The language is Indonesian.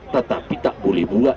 tetapi tak boleh buat